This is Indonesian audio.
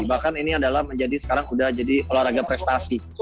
bahkan ini adalah menjadi sekarang sudah jadi olahraga prestasi